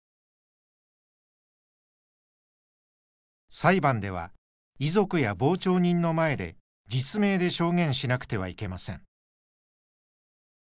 裁判では遺族や傍聴人の前で実名で証言しなくてはいけません。